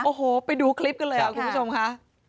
โอ้โหไปดูคลิปกันเลยค่ะคุณผู้ชมค่ะ